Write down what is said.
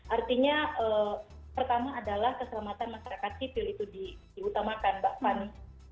artinya pertama adalah keselamatan masyarakat sipil itu diutamakan mbak fani